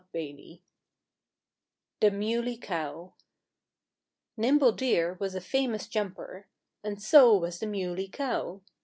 XVIII THE MULEY COW Nimble Deer was a famous jumper. And so was the Muley Cow.